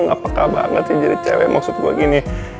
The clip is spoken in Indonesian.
ga peka banget sih jadi cewek maksud gua gini